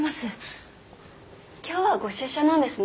今日はご出社なんですね。